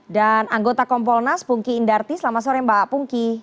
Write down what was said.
dan anggota kompolnas pungki indarti selamat sore mbak pungki